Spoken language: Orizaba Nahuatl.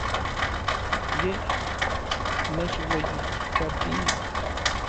Yej nechueyijkatilis.